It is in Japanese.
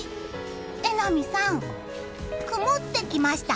榎並さん、曇ってきました。